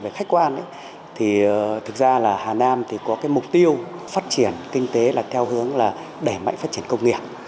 về khách quan thì thực ra là hà nam thì có cái mục tiêu phát triển kinh tế là theo hướng là đẩy mạnh phát triển công nghiệp